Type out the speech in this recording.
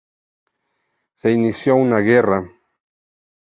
Se inició una guerra.